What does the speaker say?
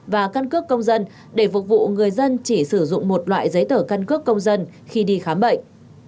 và căn cước công dân để phục vụ người dân chỉ sử dụng một loại giấy tờ căn cước công dân khi đi khám bệnh